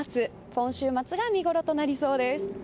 今週末が見ごろとなりそうです。